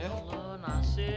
ya allah nasib nasib